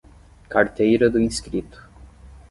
Carteira do inscrito